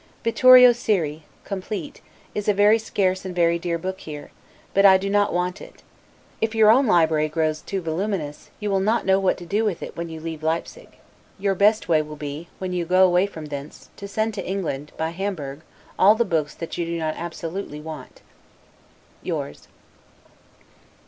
'Vittorio Siri', complete, is a very scarce and very dear book here; but I do not want it. If your own library grows too voluminous, you will not know what to do with it, when you leave Leipsig. Your best way will be, when you go away from thence, to send to England, by Hamburg, all the books that you do not absolutely want. Yours.